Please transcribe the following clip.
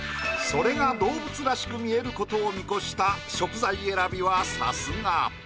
それが動物らしく見えることを見越した食材選びはさすが。